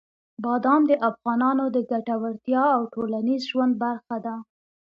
بادام د افغانانو د ګټورتیا او ټولنیز ژوند برخه ده.